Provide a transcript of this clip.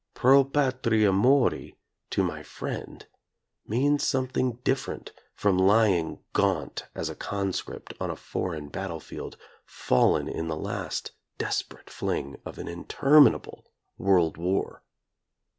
Pro patria mori, to my friend, means something different from lying gaunt as a conscript on a foreign battlefield, fallen in the last desperate fling of an interminable world war.